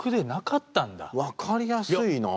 分かりやすいなぁ。